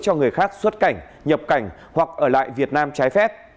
cho người khác xuất cảnh nhập cảnh hoặc ở lại việt nam trái phép